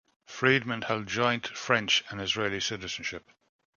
Frydman held joint French and Israeli citizenship.